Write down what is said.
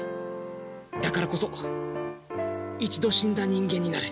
だからこそ一度死んだ人間になれ。